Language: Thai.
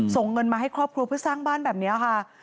ส่งเงินมาให้ครอบครัวเพื่อสร้างบ้านแบบนี้ค่ะ